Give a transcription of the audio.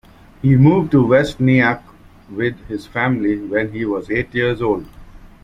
He moved to West Nyack with his family when he was eight years old.